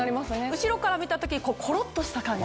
後ろから見た時コロっとした感じ。